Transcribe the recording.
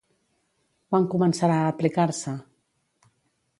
Quan començarà a aplicar-se?